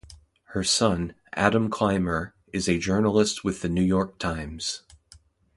Her son, Adam Clymer, is a journalist with the New York Times.